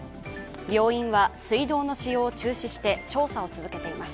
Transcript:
病院は水道の使用を中止して、調査を続けています。